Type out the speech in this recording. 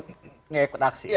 tidak ikut aksi